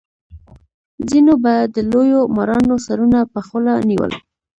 ځینو به د لویو مارانو سرونه په خوله نیول.